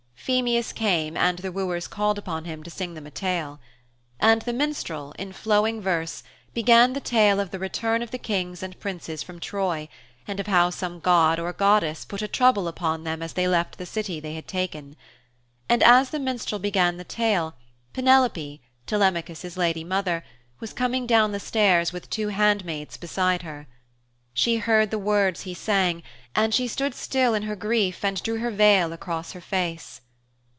Phemius came and the wooers called upon him to sing them a tale. And the minstrel, in flowing verse, began the tale of the return of the Kings and Princes from Troy, and of how some god or goddess put a trouble upon them as they left the City they had taken. And as the minstrel began the tale, Penelope, Telemachus' lady mother, was coming down the stairs with two hand maids beside her. She heard the words he sang, and she stood still in her grief and drew her veil across her face.